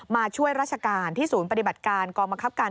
มาช่วยราชการที่ศูนย์ปฏิบัติการกองบังคับการ